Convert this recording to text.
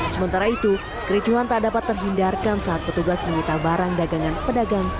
sementara itu kericuhan tak dapat terhindarkan saat petugas menita barang dagangan pedagang k lima